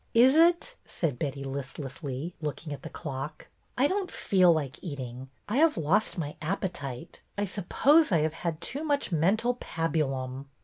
''Is it?" said Betty, listlessly, looking at the clock. " I don't feel like eating. I have lost my appetite. I suppose I have had too much mental pabulum